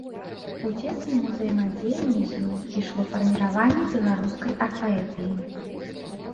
У цесным узаемадзеянні з ёй ішло фарміраванне беларускай арфаэпіі.